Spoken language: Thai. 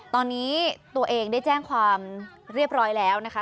ตอนนี้ตัวเองได้แจ้งความเรียบร้อยแล้วนะคะ